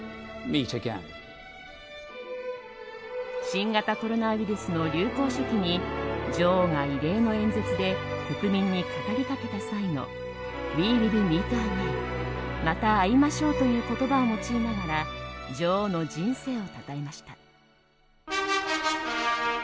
新型コロナウイルスの流行初期に女王が異例の演説で国民に語り掛けた際の「Ｗｅｗｉｌｌｍｅｅｔａｇａｉｎ」「また会いましょう」という言葉を用いながら女王の人生をたたえました。